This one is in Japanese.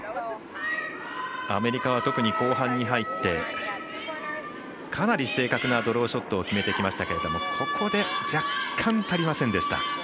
アメリカは特に後半に入ってかなり正確なドローショットを決めてきましたけどもここで若干、足りませんでした。